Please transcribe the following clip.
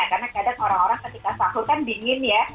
karena kadang orang orang ketika sahur kan dingin ya